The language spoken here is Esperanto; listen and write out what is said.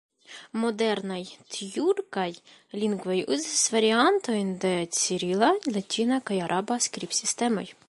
Modernaj tjurkaj lingvoj uzas variantojn de cirila, latina kaj araba skribsistemoj.